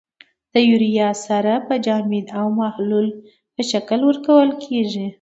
د یوریا سره په جامدو او محلول په شکل ورکول کیږي.